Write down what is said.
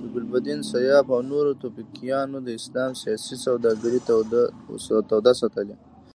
د ګلبدین، سیاف او نورو توپکیانو د اسلام سیاسي سوداګري توده ساتلې.